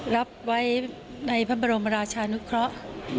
รับไว้ในพระบรมราชานุเคราะห์